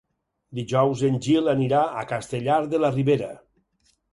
Dijous en Gil anirà a Castellar de la Ribera.